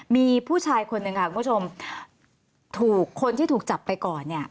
มีผู้ชายคนหนึ่งค่ะคุณผู้ชมถูกคนที่ถูกจับไปก่อนเนี่ย